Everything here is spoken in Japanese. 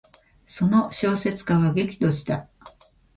その小説家は激怒した。